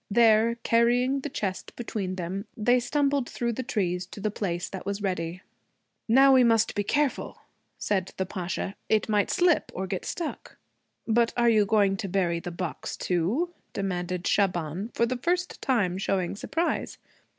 There, carrying the chest between them, they stumbled through the trees to the place that was ready. 'Now we must be careful,' said the Pasha. 'It might slip or get stuck.' 'But are you going to bury the box too?' demanded Shaban, for the first time showing surprise.